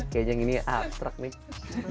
kayaknya yang ini abstrak nih